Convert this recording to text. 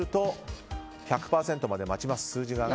１００％まで待ちます。